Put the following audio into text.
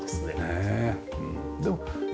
ねえ。